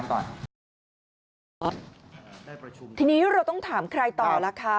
ทีนี้เราต้องถามใครต่อล่ะคะ